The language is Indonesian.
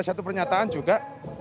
satu pernyataan juga